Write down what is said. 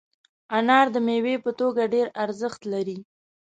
انار د میوې په توګه ډېر ارزښت لري.